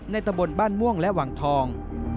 ตะบนบ้านม่วงและวังทอง